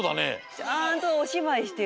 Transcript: ちゃんとおしばいしてる。